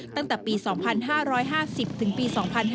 ตั้งแต่ปี๒๕๕๐ถึงปี๒๕๕๙